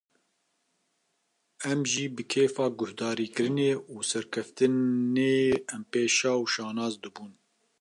Em jî bi kêfa guhdarkirinê û serkeftinê em pê şa û şanaz dibûn